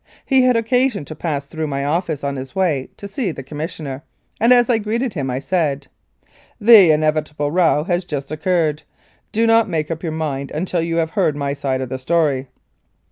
He had occasion to pass through my office on his way to see the Commissioner, and as I greeted him I said, " The inevitable row has just occurred. Do not make up your mind until you have heard my side of the story."